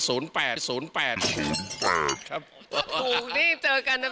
ถูกนี่เจอกันนะพี่โน๊ต